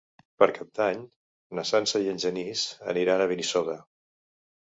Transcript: Per Cap d'Any na Sança i en Genís aniran a Benissoda.